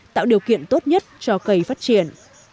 tạo điều kiện tốt nhất cho cây phát triển